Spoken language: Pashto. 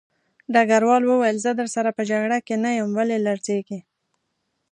ډګروال وویل زه درسره په جګړه کې نه یم ولې لړزېږې